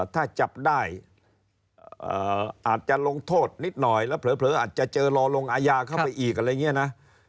ถ้าจับได้อาจจะลงโทษนิดหน่อยแล้วเผลออาจจะเจอรอลงอาญาเข้าไปอีกอะไรอย่างนี้นะ